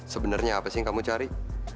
sebenarnya apa sih yang kamu cari